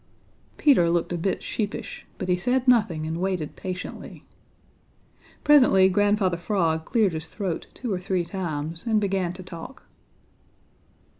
Peter looked a bit sheepish, but he said nothing and waited patiently. Presently Grandfather Frog cleared his throat two or three times and began to talk.